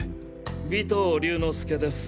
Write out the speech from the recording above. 尾藤龍之介です。